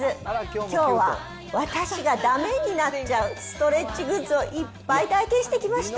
きょうは私がだめになっちゃうストレッチグッズをいっぱい体験してきました。